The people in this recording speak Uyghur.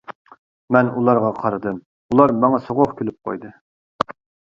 مەن ئۇلارغا قارىدىم، ئۇلار ماڭا سوغۇق كۈلۈپ قويدى.